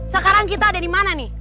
sekarang kita ada dimana nih